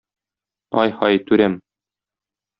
Ай-һай, түрәм!